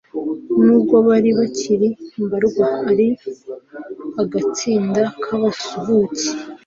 n'ubwo bari bakiri mbarwa, ari agatsinda k'abasuhuke